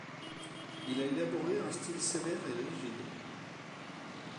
Il a élaboré un style sévère et rigide.